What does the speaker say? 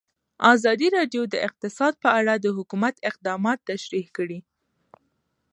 ازادي راډیو د اقتصاد په اړه د حکومت اقدامات تشریح کړي.